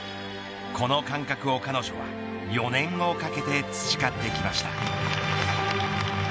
この感覚を彼女は４年をかけて培ってきました。